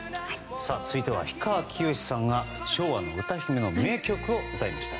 続いては氷川きよしさんが昭和の歌姫の名曲を歌いました。